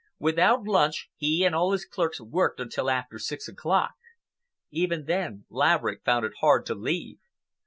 Without lunch, he and all his clerks worked until after six o'clock. Even then Laverick found it hard to leave.